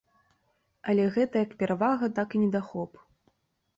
Але гэта як перавага, так і недахоп.